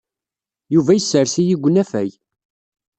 Yuba yessers-iyi deg unafag.